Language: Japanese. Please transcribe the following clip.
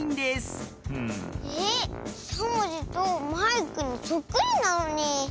えしゃもじとマイクにそっくりなのに。